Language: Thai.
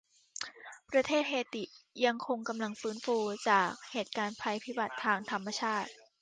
ประเทศเฮติยังคงกำลังฟื้นฟูจากเหตุการณ์ภัยพิบัติทางธรรมชาติ